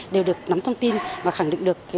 đều được nắm thông tin và khẳng định được